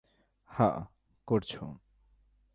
হ্যাঁ, করছো।